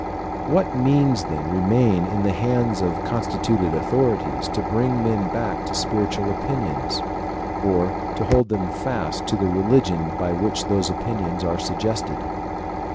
What means then remain in the hands of constituted authorities to bring men back to spiritual opinions, or to hold them fast to the religion by which those opinions are suggested?